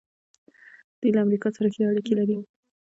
دوی له امریکا سره ښې اړیکې لري.